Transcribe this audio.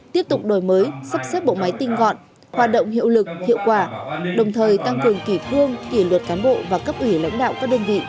tiếp tục đổi mới sắp xếp bộ máy tinh gọn hoạt động hiệu lực hiệu quả đồng thời tăng cường kỷ cương kỷ luật cán bộ và cấp ủy lãnh đạo các đơn vị